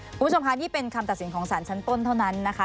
คุณผู้ชมค่ะนี่เป็นคำตัดสินของสารชั้นต้นเท่านั้นนะคะ